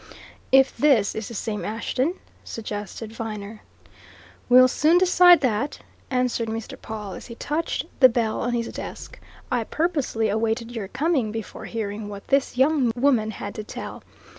"If this is the same Ashton," suggested Viner. "We'll soon decide that," answered Mr. Pawle as he touched the bell on his desk. "I purposely awaited your coming before hearing what this young woman had to tell.